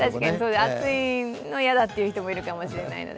暑いの嫌だという人もいるかもしれないので。